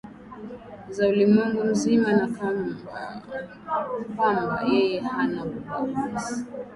za ulimwengu mzima na kwamba yeye hanaumbaguzi